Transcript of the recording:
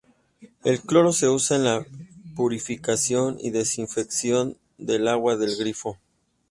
El cloro se usa en la purificación y desinfección del agua del grifo.